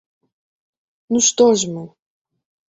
Ну што ж мы?